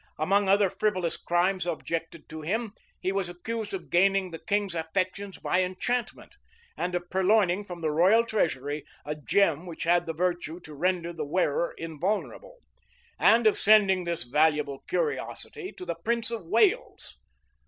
Among other frivolous crimes objected to him, he was accused of gaining the king's affections by enchantment, and of purloining from the royal treasury a gem which had the virtue to render the wearer invulnerable, and of sending this valuable curiosity to the prince of Wales.